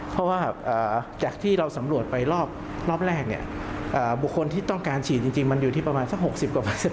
เพราะว่าจากที่เราสำรวจไปรอบแรกบุคคลที่ต้องการฉีดจริงมันอยู่ที่ประมาณสัก๖๐เองนะครับ